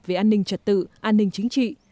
về an ninh trật tự an ninh chính trị